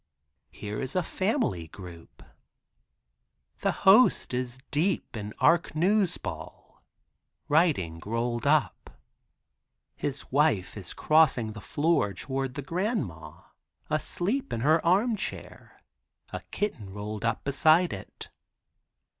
Here is a family group. The host is deep in Arc news ball (writing rolled up) his wife is crossing the floor toward the grandma, asleep in her arm chair, a kitten rolled up beside it.